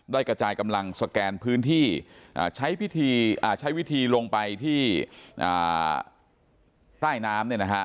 กระจายกำลังสแกนพื้นที่ใช้วิธีลงไปที่ใต้น้ำ